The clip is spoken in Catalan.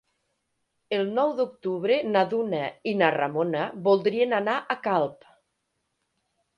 El nou d'octubre na Duna i na Ramona voldrien anar a Calp.